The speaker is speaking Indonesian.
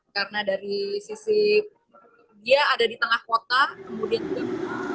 karena dari sisi dia ada di tengah kota kemudian tim